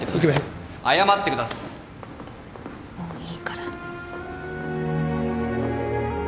もういいから。